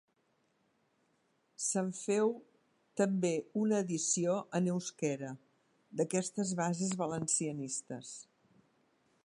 Se'n feu també una edició en eusquera, d'aquestes bases valencianistes.